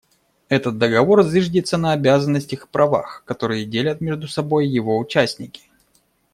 Этот Договор зиждется на обязанностях и правах, которые делят между собой его участники.